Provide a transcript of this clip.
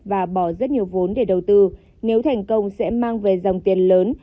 và bỏ rất nhiều vốn để đầu tư nếu thành công sẽ mang về dòng tiền lớn